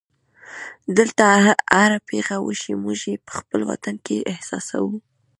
دلته هره پېښه وشي موږ یې په خپل وطن کې احساسوو.